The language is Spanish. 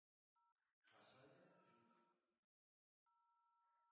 Masaya Yuma